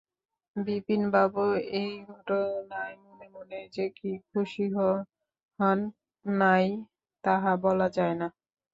বিপিনবাবু এই ঘটনায় মনে মনে যে খুশি হন নাই তাহা বলা যায় না।